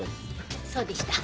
そうでした。